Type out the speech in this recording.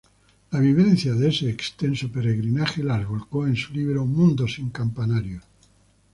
Las vivencias de ese extenso peregrinaje las volcó en su libro "Mundos sin campanarios".